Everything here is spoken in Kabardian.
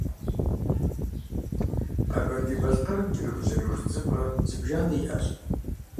Къэбэрдей-Балъкъэрым кӏэрыхубжьэрыху идзыпӏэ зыбжанэ иӏэщ.